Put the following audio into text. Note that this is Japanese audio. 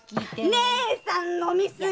義姉さん飲み過ぎ！